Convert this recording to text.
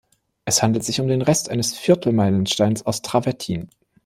Es handelt sich um den Rest eines Viertelmeilenstein aus Travertin.